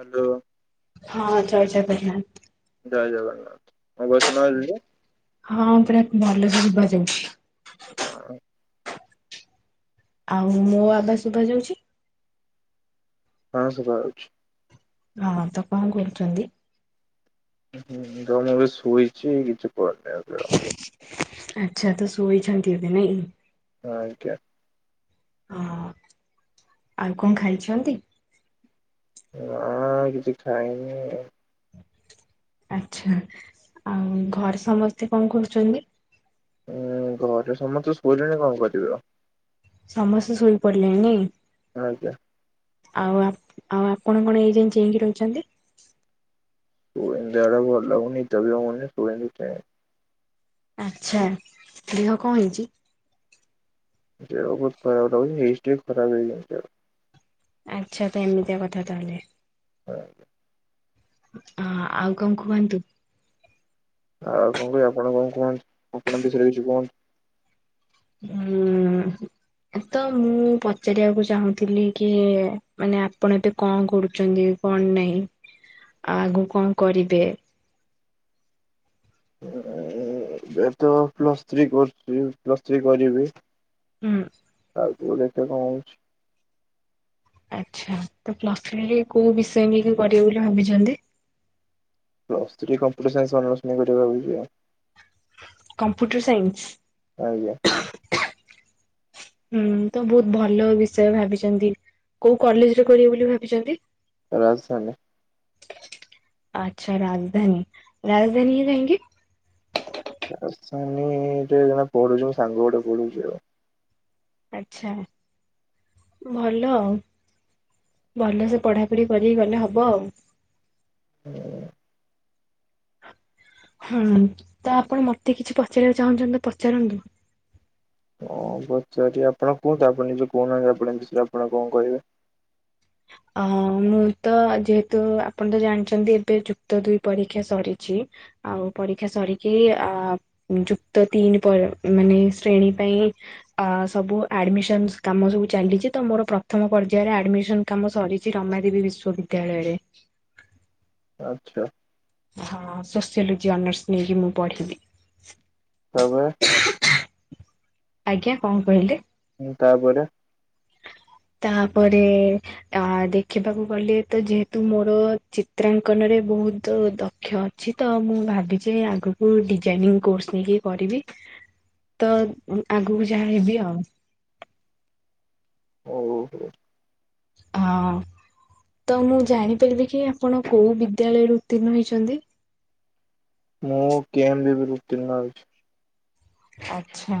Hello. ହଁ ଆଚ୍ଛା ଆଚ୍ଛା ପେଗନାଣ୍ଟ। ଜୟ ଜଗନ୍ନାଥ ମୁଁବେ ଶୁଣା ହଁ ପୁରା ଭଲ ସେ ଶୁଭା ଯାଉଛି। ଆଁଇଁ। ଆଉ ମୋ ଆବାଜ ଶୁଭାଯାଉଛି? ହଁ ଶୁଭା ଯାଉଛି। ହଁ ତ କଁ କରୁଛନ୍ତି? ହୁଁ ଜ ମୁଁ ଏବେ ଶୋଇଛି କିଛି କରନି [inaudible] ଆଚ୍ଛା ତ ଶୋଇଛନ୍ତି ଏବେ ନାଇଁ? ହଁ ଆଜ୍ଞା। ହଁ ଆଉ କଁ ଖାଇଛନ୍ତି? ନା କିଛି ଖାଇନି। ଆଚ୍ଛା ଆଉ ଘରେ ସମସ୍ତେ କଁ କରୁଛନ୍ତି? ଉୁଁ ଘରେ ସମସ୍ତେ ଶୋଇଲେଣି କଁ କରିବେ ଆଉ। ସମସ୍ତେ ଶୋଇ ପଡିଲେଣି ନାଇଁ? ଆଜ୍ଞା। ଆଉ ଆପ୍ ଆଉ ଆପଣ କଣ ଏଯାଏଁ ଚେଇଁକି ରହିଛନ୍ତି? ସୋଇନି ଦେହ ଟା ଭଲ ଲାଗୁନି ନିଦ ବି ହୋଉନି ସୋଇନି ସେଇଥି ପାଇଁ। ଆଚ୍ଛା ଦେହ କଁ ହେଇଛି? ଦେହ ବୋହୁତ ଖରପ ଲାଗୁଛି ହିଷ୍ଟ୍ରି ଖରାପ ହେଇଯାଉଛି ଆଉ। ଆଚ୍ଛା ତ ଏମିତିଆ କଥା ତାହେଲେ। ହଁ। ହଁ ଆଉ କଁ କୁହନ୍ତୁ? ଆଉ କଁ ଆପଣ କଣ କୁହନ୍ତ ଆପଣଙ୍କ ବିଷୟରେ କିଛି କୁହନ୍ତୁ? ଉଁ ହୁଁ। ତ,, ମୁଁ ପଚାରିଆକୁ ଚାହୁଁଥିଲି କି ମାନେ ଆପଣ ଏବେ କଁ କରୁଚନ୍ତି? କଣ ନାହିଁ ଆଉ ଆଗୁକୁ କଣ କରିବେ? ଏବେ ତ ପ୍ଲସ୍ ଥ୍ରୀ କରୁଛି, ପ୍ଲସ୍ ଥ୍ରୀ କରିବି। ହୁଁ। ଅଗୁକୁ ଦେଖିଆ କଁ ହୋଉଛି। ଆଚ୍ଛା ତ ପ୍ଲସ୍ ଥ୍ରୀ ରେ କୋଉ ବିଷୟ ନେଇକି ପଢିବେ ବୋଲି ଭାବିଛନ୍ତି? Plus three computer science honours ନେଇକି କରିବି ଭାବିଛି ଆଉ। Computer science? ଆଜ୍ଞା। ହୁଁ ତ ବହୁତ୍ ଭଲ ବିଷୟ ଭାବିଛନ୍ତି କୋଉ କଲେଜ ରେ କରିବେ ବୋଲି ଭାବିଛନ୍ତି? ରାଜଧାନୀ। ଆଚ୍ଛା ରାଜଧାନୀ ରାଜଧାନୀ କି ଯାଇଙ୍କ ରାଜଧାନୀ ରେ ଜଣେ ପଢୁଛି ମୋ ସାଙ୍ଗ ଗୋଟେ ପଢୁଛି ଆଉ। ଆଚ୍ଛା। ଭଲ ଆଉ ଭଲସେ ପଢ଼ାପଢ଼ି କରିକି ଗଲେ ହବ ଆଉ। ହୁଁ। ହୁଁ ତ ଆପଣ ମତେ କିଛି ପଚାରିବାକୁ ଚାହୁଁଛନ୍ତି ତ ପଚାରନ୍ତୁ? କଣ ପଚାରିବା ଆପଣ କୁହନ୍ତୁ ଆପଣ ନିଜେ କହୁନାହାନ୍ତି ଆପଣଙ୍କ ବିଷୟରେ ଆପଣ କଣ କହିବେ? ଓହ ମୁଁ ତ ଯେହେତୁ ଆପଣ ତ ଜାଣିଛନ୍ତି ଏବେ ଯୁକ୍ତ ଦୁଇ ପରୀକ୍ଷା ସରିଛି। ଆଉ ପରୀକ୍ଷା ସରିକି ଆ ଯୁକ୍ତ ତିନି ପରେ ମାନେ ଶ୍ରେଣୀ ପାଇଁ ଆ ସବୁ ଆଡମିସନ୍ସ କାମ ସବୁ ଚାଲିଛି ତ ମୋର ପ୍ରଥମ ପର୍ଯ୍ୟାୟରେ ଆଡମିସନ୍। କାମ ସରିଛି ରମାଦେବୀ ବିଶ୍ୱ ବିଦ୍ୟାଳୟରେ। ଆଚ୍ଛା। ହଁ ସୋସିଓଲୋଜି ଅନର୍ସ ନେଇକି ମୁଁ ପଢ଼ିବି। ତା ପରେ। ଆଜ୍ଞା କଣ କହିଲେ? ତାପରେ। ତାପରେ- ଆ ଦେଖିବାକୁ ଗଲେ ତ ଯେହେତୁ ମୋର ଚିତ୍ରାଙ୍କନରେ ବହୁତ ଦକ୍ଷ ଅଛି ତ ମୁଁ ଭାବିଛି ଆଗକୁ ଡିଜାଇନିଂ କୋର୍ସ ନେଇକି ପଢ଼ିବି। ତ ଆଗକୁ ଯାହା ହେବି ଆଉ। ହଉ। ହଁ ତ ମୁଁ ଜାଣିପାରିବି କି ଆପଣ କଉ ବିଦ୍ୟାଳୟରୁ ଉତ୍ତୀର୍ଣ୍ଣ ହୋଇଛନ୍ତି? ମୁଁ କେମ ବି ବି ରୁ ଉତୀର୍ଣ୍ଣ ହେଇଛି। ଆଚ୍ଛା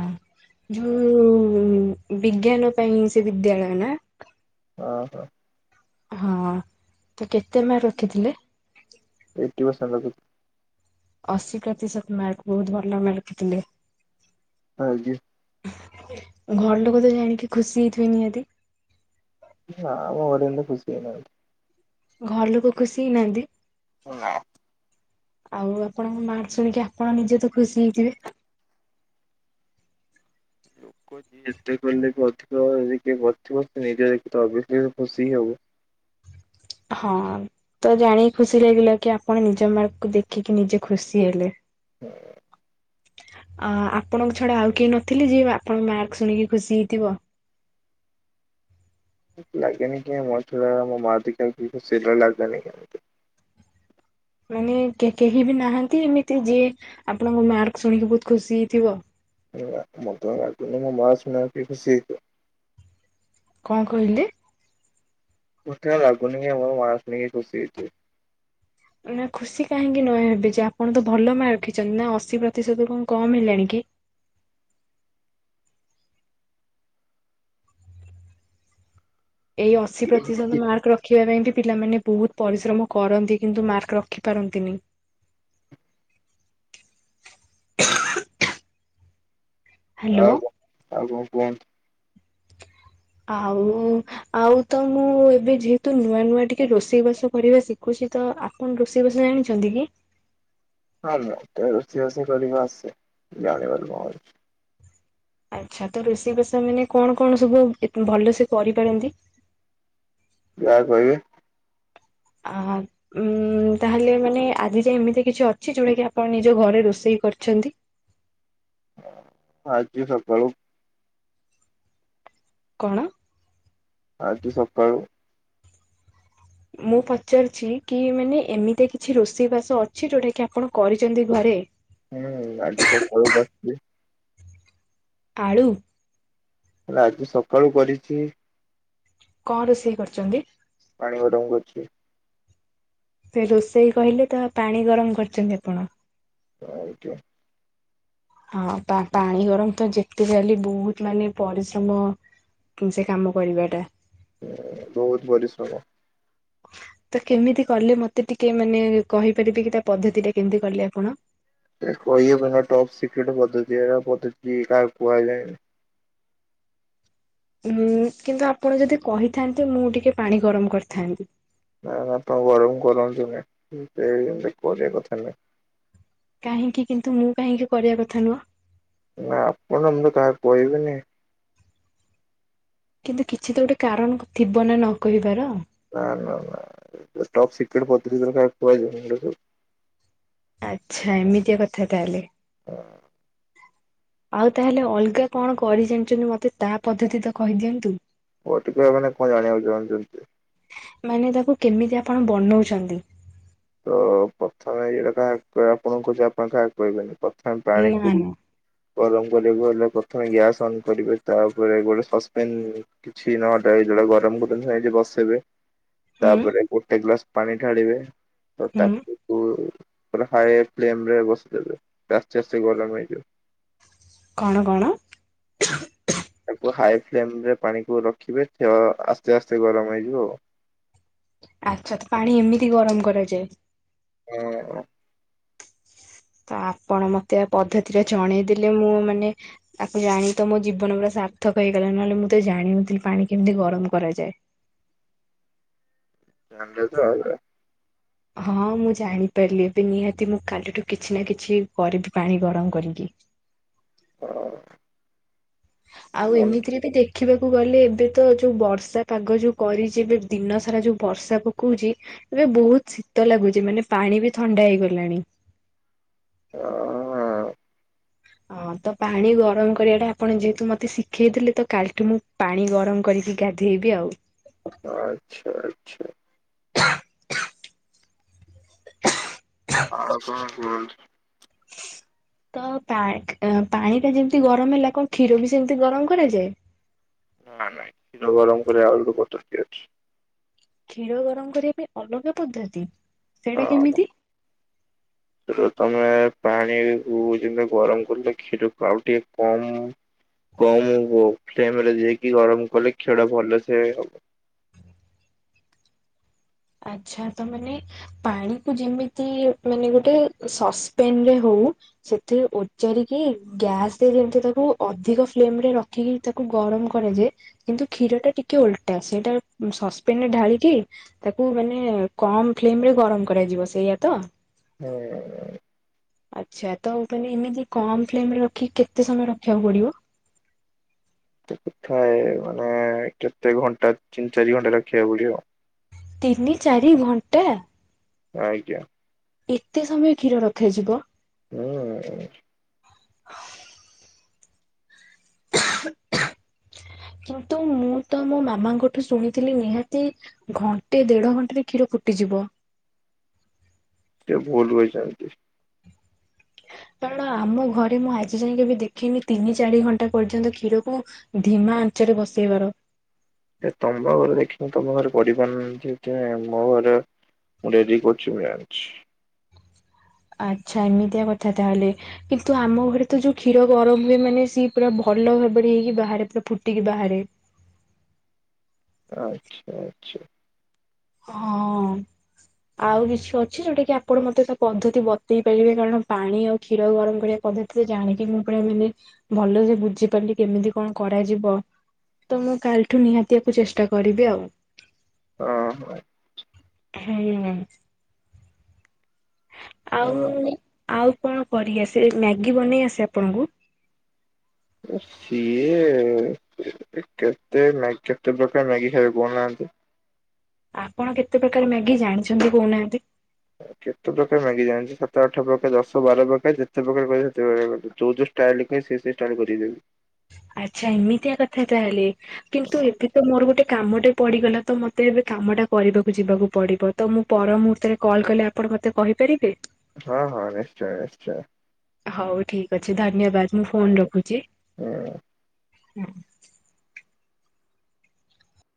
ଯଉ ବିଜ୍ଞାନ ପାଇଁ ସେ ବିଦ୍ୟାଳୟ ନା? ହଁ। ହଁ ତ କେତେ ମାର୍କ ରଖିଥିଲେ? ଏଇଟି ପରସେଣ୍ଟ ରଖିଥିଲି। ଅଶୀ ପ୍ରତିଶତ ମାର୍କ ବହୁତ ଭଲ ମାର୍କ ରଖିଥିଲେ। ଆଇ। ଘର ଲୋକ ତ ଜାଣିକି ଖୁସି ହେଇଥିବେ ନିହାତି। ନା ମୋ ଘରେ ହେଲେ ଖୁସି ହେଇ ନାହାନ୍ତି। ଘର ଲୋକ ଖୁସି ହେଇନାହାନ୍ତି? ନାଁ। ଆଉ ଆପଣଙ୍କ ମାର୍କ ଶୁଣିକି ଆପଣ ନିଜେ ତ ଖୁସି ହେଇଥିବେ? ଏତେ କଲେ ବି ଅଧିକରେ କିଏ କରିଥିବ ସେଇଟା ନିଜେ ଦେଖିଲି ଖୁସି ଆଉ। ହଁ ତ ଜାଣି ଖୁସି ଲାଗିଲା କି ଆପଣ ନିଜ ମାର୍କକୁ ଦେଖିକି ନିଜେ ଖୁସି ହେଲେ। ହୁଁ। ଆ ଆପଣଙ୍କ ଛଡା ଆଉ କେହି ନଥିଲେ ଯେ ଯିଏ ଆପଣଙ୍କ ମାର୍କ ଶୁଣିକି ଖୁସି ହେଇଥିବ? ଲାଗେନି କି ମୋ ଛଡା ମୋ ମାର୍କ ଦେଖି ଆଉ ଖୁସି ସେଇଟା ଲାଗେନି। ମାନେ କେ କେହି ବି ନାହାନ୍ତି ଏମିତି ଯିଏ ଆପଣଙ୍କ ମାର୍କ ଶୁଣିକି ବହୁତ ଖୁସି ହେଇଥିବ? ନା ମତେ ଲାଗୁନି ମୋ ମାର୍କ ଶୁଣିକିଆଉ କିଏ ଖୁସି ହେଇଥିବ। କଣ କହିଲେ? ମୋତେ ଆଉ ଲାଗୁନିକି ମୋ ମାର୍କ ଶୁଣିକି ଖୁସି ହେଇଥିବ। ନା ଖୁସି କାହିଁକି ନୁହେଁ ହେବେ ଯେ ଆପଣ ତ ଭଲ ମାର୍କ ରଖିଛନ୍ତି ନା ଅଶୀ ପ୍ରତିଶତ କଣ କମ୍ ହେଲାଣି କି? ଏଇ ଅଶୀ ପ୍ରତିଶତ ମାର୍କ ରଖ୍ ରଖିବା ପାଇଁକି ପିଲାମାନେ ବହୁତ ପରିଶ୍ରମ କରନ୍ତି କିନ୍ତୁ ମାର୍କ ରଖି ପାରନ୍ତିନି। ହ୍ୟାଲୋ। ଆଉ କ ଆଉ କଣ କୁହନ୍ତୁ? ଆଉ ଆଉ ତ ମୁଁ ଏବେ ଯେହେତୁ ନୂଆ ନୂଆ ଟିକେ ରୋଷେଇ ବାସ କରିବା ଶିଖୁଛି ତ ଆ କଣ ରୋଷେଇ ବାଷ ଜାଣିଛନ୍ତି କି? ହଁ ତାର ରୋଷେଇ ବାସ କରିବା ଆସେ ଜାଣିବାର କଣ ଅଛି। ଆଚ୍ଛା ତ ରୋଷେଇ ବାସ ଆମାନେ କଣ କଣ ସବୁ ଭଲ ସେ କରିପାରନ୍ତି? ଯାହା କହିବେ? ଆ ହ। ଉଁ ତାହେଲେ ମାନେ ଆଜି ଯାଏ ଏମିତି କିଛି ଅଛି ଯଉଟା କି ଆପଣ ନିଜ ଘରେ ରୋଷେଇ କରିଛନ୍ତି? ଆଜି ସକାଳୁ କଣ? ଆଜି ସକାଳୁ ମୁଁ ପଚାରୁଛି କି ମାନେ ଏମିତି କିଛି ରୋଷେଇ ବାସ ଅଛି ଯୋଉଟା କି ଆପଣ କରିଛନ୍ତି ଘରେ? ହୁଁ ଆଜି ସକାଳୁ କରିଥିଲି। ଆଳୁ? ଆଜି ସକାଳୁ କରିଛି। କ ରୋଷେଇ କରିଛନ୍ତି? ପାଣି ଗରମ କରିଚି। ସେ ରୋଷେଇ କହିଲେ ତ ପାଣି ଗରମ କରିଛନ୍ତି ଆପଣ। ଅ ହେଇଥିବ। ହଁ ପା ପାଣି ଗରମ ତ ଯେତେଯାହାହେଲେ ବହୁତ ମାନେ ପରିଶ୍ରମ ସେ କାମ କରିବାଟା। ହୁଁ ବହୁତ ପରିଶ୍ରମ। ତ କେମିତି କଲେ ମତେ ଟିକେ ମାନେ କହିପାରିବେ କି ତା ପଦ୍ଧତି ଟା କେମିତି କଲେ ଆପଣ? କହିହବନି ଟପ୍ ସିକ୍ରେଟ ପଦ୍ଧତି ଏରା ପଦ୍ଧତି କାହାକୁ କୁହାଯାଏନି। ଉଁ କିନ୍ତୁ ଆପଣ ଯଦି କହିଥାନ୍ତେ ମୁଁ ଟିକେ ପାଣି ଗରମ କରିଥାନ୍ତି। ନା ନା ଆପଣ ଗରମ କରନ୍ତୁନି ସେମିତି କରିବା କଥା ନୁହେଁ। କାହିଁକି କିନ୍ତୁ ମୁଁ କାହିଁକି କରିଆ କଥା ନୁହଁ? ନା ଆପଣ ମୁଁ ତ କାହାକୁ କହିବିନି। କିନ୍ତୁ କିଛି ତ ଗୋଟେ କାରଣ ଥିବ ନା ନ କହିବାର। ନା ନା ନା ଟପ୍ ସିକ୍ରେଟ ପଦ୍ଧତି ଗୁରା କାହାକୁ କୁହାଯାଏନି। ଆଚ୍ଛା ଏମିତିଆ କଥା ତାହେଲେ। ହଁ। ଆଉ ତାହେଲେ ଅଲଗା କଣ କରି ଜାଣିଛନ୍ତି ମତେ ତା ପଦ୍ଧତି ତ କହିଦିଅନ୍ତୁ। ଅଧିକା ମାନେ କଣ ଜାଣିବାକୁ ଚାହୁଁଛନ୍ତି? ମାନେ ତାକୁ କେମିତି ଆପଣ ବନଉଛନ୍ତି? ତ ପ୍ରଥମେ ଏକଥା ଆପଣଙ୍କୁ କହୁଛି ଆପଣ କାହାକୁ କହିବେନି ପ୍ରଥମେ ନା ପାଣିକୁ ନା ଗରମ କରିବାକୁ ହେଲେ ପ୍ରଥମେ ଗ୍ୟାସ୍ ଅନ୍ କରିବେ ତାପରେ ଗୋଟେ ସସ୍ପେନ୍ କିଛି ନ ଡରି ଯଉଟା ଗରମ କରିକି ସେଇଟି ବସେଇବେ ହୁଁ ତାପରେ ଗୋଟେ ଗ୍ଲାସ ପାଣି ଢାଳିବେ ତ ହୁଁ ତାକୁ ପୁ ପୁରା ହାଇ ଫ୍ଲେମ ରେ ବସେଇଦେବେ ଆସ୍ତେ ଆସ୍ତେ ଗରମ ହେଇଯିବ। କଣ କଣ? ତାକୁ ହାଇ ଫ୍ଲେମ୍ ରେ ପାଣିକୁ ରଖିବେ ହେୟ ଆସ୍ତେ ଆସ୍ତେ ଗରମ ହେଇଯିବ ଆଉ। ଆଚ୍ଛା ଆଚ୍ଛା ପାଣି ଏମିତି ଗରମ୍ କରାଯାଏ। ହଁ। ତ ଆପଣ ମତେ ପଦ୍ଧତି ଟା ଜଣେଇ ଦେଲେ ମୁଁ ମାନେ। ତାକୁ ଜାଣିକି ତ ମୋ ଜୀବନ ପୁରା ସାର୍ଥକ ହେଇଗଲା ନହେଲେ ମୁଁ ତ ଜାଣିନଥିଲି ପାଣି କେମତି ଗରମ କରାଯାଏ। ଜାଣିଲେ ତ ଅଵିକା? ହଁ ମୁଁ ଜାଣିପାରିଲି ଏବେ ନିହାତି ମୁଁ କାଲିଠୁ କିଛି ନା କିଛି କରିବି ପାଣି ଗରମ୍ କରିକି। ହ। ଆଉ ଏମିତିରେ ବି ଦେ ଖିବାକୁ ଗଲେ ଏବେ ତ ଯୋଉ ବର୍ଷା ପାଗ ଯୋଉ କରିଛି ଏବେ ଦିନସାରା ଯୋଉ ବର୍ଷା ପକଉଚି। ଏବେ ବହୁତ୍ ଶୀତ ଲାଗୁଚି ମାନେ ପାଣି ବି ଥଣ୍ଡା ହେଇଗଲାଣି। ହ ହ। ଆ ତ ପାଣି ଗରମ୍ କରିବା ଟା ଆପଣ ଯେହେତୁ ମତେ ଶିଖେଇଦେଲେ ତ କାଲିଠୁ ମୁଁ ପାଣି ଗରମ୍ କରିବି। ଗାଧଇବି ଆଉ। ଆଚ୍ଛା ଆଚ୍ଛା। [unintelligible] ଆଉ କଣ କୁହନ୍ତୁ? ତ ପା ପାଣି ଟା ଯେମତି ଗରମ ହେଲା କଣ କ୍ଷୀର ବି ସେମତି ଗରମ କରାଯାଏ? ନା ନାଇ କ୍ଷୀର ଗରମ କରିବା ଆଉ ପଦ୍ଧତି ଅଛି। କ୍ଷୀର ଗରମ୍ କରିବା ପାଇଁ ଅଲଗା ପଦ୍ଧତି ସେଇଡା ହଁ କେମିତି? ତମେ ପାଣି କୁ ଯେମତି ଗରମ କରିଲ କ୍ଷୀରକୁ ଆଉ ଟିକେ କମ୍। କମ୍ ହଉ ଫ୍ଲେମ୍ ରେ ଦେଇକି ଗରମ କଲେ କ୍ଷୀର ଟା ଭଲସେ ହବ। ଆଚ୍ଛା ତ ମାନେ। ପାଣି କୁ ଯେମିତି ମାନେ ଗୋଟେ ସସ୍ପେନ୍ ରେ ହୋଉ। ସେଥିରେ ଓଜାରିକି ଗ୍ୟାସ ରେ ଯେମିତି ତାକୁ ଅଧିକ ଫ୍ଲେମ୍ ରେ ରଖିକି। ତାକୁ ଗରମ କରାଯାଏ କିନ୍ତୁ କ୍ଷୀର ଟା ଟିକେ ଓଲଟା ସେଇଟା ସସ୍ପେନ୍ ରେ ଢାଳିକି। ତାକୁ ମାନେ କମ ଫ୍ଲେମ୍ ରେ ଗରମ୍ କରାଯିବ ସେଇଆ ତ? ହୁଁ। ଆଚ୍ଛା ତ ମାନେ ଏମିତି କମ୍ ଫ୍ଲେମରେ ରଖିକି କେତେ ସମୟ ରଖିବାକୁ ପଡିବ? ଥାଏ ମାନେ କେତେ ଘଣ୍ଟା ତିନ ଚାରି ଘଣ୍ଟା ରଖିବାକୁ ପଡିବ। ତିନି ଚାରି ଘଣ୍ଟା। ଆଜ୍ଞା। ଏତେ ସମୟ କ୍ଷୀର ରଖାଯିବ? ହୁଁ। କିନ୍ତୁ ମୁଁ ତ ମୋ ମାମାଙ୍କଠୁ ଶୁଣିଥିଲି ନିହାତି। ଘଣ୍ଟେ ଦେଢ ଘଣ୍ଟେ ରେ କ୍ଷୀର ଫୁଟିଯିବ। ସେ ଭୁଲୁ କହିଛନ୍ତି। କାରଣ ଆମ ଘରେ ମୁଁ ଆଜି ଯାଏଁ କେବେ ଦେଖିନି ତିନି ଚାରି ଘଣ୍ଟା ପର୍ଯ୍ୟନ୍ତ କ୍ଷୀରକୁ। ଧିମା ଆଞ୍ଚରେ ବସେଇବାର। ଏ ତମ ଘରେ ଦେଖିବି ତମ ଘରେ ପଡିି ପାରୁନାହାନ୍ତି କି କିଛି ନାହିଁ ମୁଁ ରେଡିି କରୁଛି ମୁଁ ଜାଣଛି। ଆଚ୍ଛା ଏମିତିଆ କଥା ତାହେଲେ। କିନ୍ତୁ ଆମ ଘରେ ତ ଯୋଉ କ୍ଷୀର ଗରମ୍ ହୁଏ ମାନେ ସିଏ ପୁରା ଭଲ ଭାବରେ ହେଇକି ବାହାରେ ପୁରା ଫୁଟିକି ବାହାରେ। ଆଚ୍ଛା ଆଚ୍ଛା। ହଁ। ଆଉ କିଛି ଅଛି ଯୋଉଟା କି ଆପଣ ମତେ ତା ପଦ୍ଧତି ବତେଇ ପାରିବେ କାରଣ ପାଣି ଆଉ କ୍ଷୀର ଗରମ କରିବା ପଦ୍ଧତି ଜାଣିକି ମୁଁ ପରା ମାନେ ଭଲ ସେ ବୁଝିପାରିଲି କେମିତି କଣ କରାଯିବ। ତ ମୁଁ କାଲିଠୁ ନିହାତିଆକୁ ଚେଷ୍ଟା କରିବି ଆଉ। ଓହ। ହୁଁ। ଆଉ ଆଉ କଣ କରି ଆସେ ମ୍ୟାଗି ବନେଇ ଆସେ ଆପଣଙ୍କୁ? ସିଏ କେତେ ମ୍ୟା କେତେ ପ୍ରକାର ମ୍ୟାଗି ଖାଇବେ କହୁନାହାନ୍ତି? ଆପଣ କେତେ ପ୍ରକାର ମ୍ୟାଗି ଜାଣିଛନ୍ତି କହୁନାହାନ୍ତି? କେତେ ପ୍ରକାର ମ୍ୟାଗି ଜାଣିଛି ସାତ ଆଠ ପ୍ରକାର ଦଶ ବାର ପ୍ରକାର ଯେତେ ପ୍ରକାର କହିବେ ସେତେ ପ୍ରକାର କରିଦେବି। ଚଉଦ ଷ୍ଟାଇଲ୍ କହିବେ ସେମିତିଆ ଷ୍ଟାଇଲ୍ କରିକିଦେବି। ଆଚ୍ଛା ଏମିତିଆ କଥା ତାହେଲେ। କିନ୍ତୁ ଏବେ ତ ମୋର ଗୋଟେ କାମଟେ ପଡିଗଲା ତ ମତେ ଏବେ କାମ ଟା କରିବାକୁ ଯିବାକୁ ପଡିବ। ତ ମୁଁ ପର ମୁହୂର୍ତ୍ତରେ କଲ୍ କଲେ ଆପଣ ମତେ କହିପାରିବେ? ହଁ ହଁ ନିଶ୍ଚୟ ନିଶ୍ଚୟ। ହଉ ଠିକ ଅଛି ଧନ୍ୟବାଦ ମୁଁ ଫୋନ ରଖୁଛି। ହୁଁ। [inaudible]